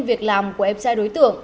việc làm của em trai đối tượng